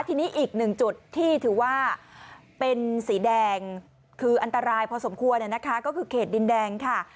ทีนี้อีกหนึ่งจุดที่ถือว่าเป็นสีแดงคืออันตรายพอสมควรนะคะก็คือเขตดินแดงค่ะ